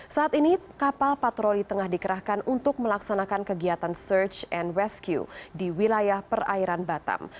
saat ini kapal patroli tengah dikerahkan untuk melaksanakan kegiatan search and rescue di wilayah perairan batam